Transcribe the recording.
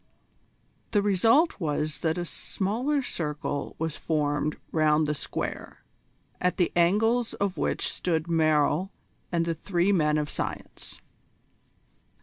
The result was that a smaller circle was formed round the square, at the angles of which stood Merrill and the three men of science.